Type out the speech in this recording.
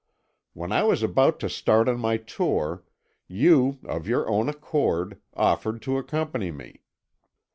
"When I was about to start on my tour, you, of your own accord, offered to accompany me.